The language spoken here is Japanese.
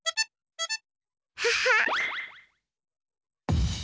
ハハ！